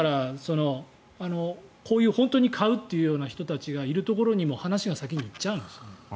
こういう本当に買うという人たちがいるところに話が先に行っちゃうんです。